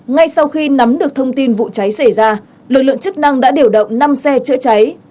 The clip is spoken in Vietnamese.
ngay sau khi nắm được thông tin vụ cháy xảy ra lực lượng chức năng đã điều động năm xe chữa cháy